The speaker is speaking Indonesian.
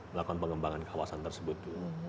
melakukan pengembangan kawasan tersebut